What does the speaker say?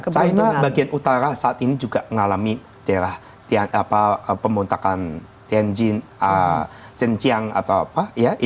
china bagian utara saat ini juga mengalami daerah pemontakan tianjin shenzhen apa apa